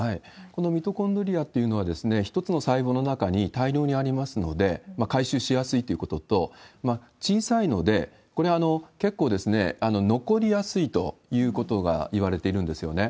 このミトコンドリアというのは、一つの細胞の中に大量にありますので回収しやすいということと、小さいので、これ、結構残りやすいということがいわれているんですよね。